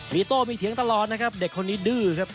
มีโต้มีเถียงตลอดนะครับเด็กคนนี้ดื้อครับ